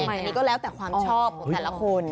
นี้ก็แล้วแต่ความชอบแต่ละคน